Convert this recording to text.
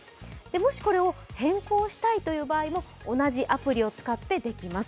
もしこれを変更したいという場合も同じアプリを使ってできます。